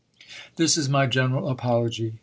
This is my general apology.